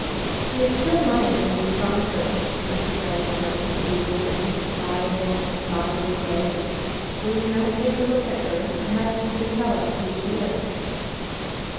"She is still lying as we found her," Mr. Gryce now proceeded in his quiet, almost fatherly way. "Will you not take a look at her? Perhaps you can tell us who she is?"